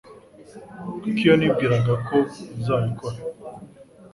kuko iyo nibwiraga ko uzabikora